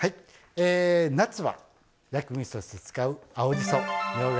え夏は薬味として使う青じそみょうがです。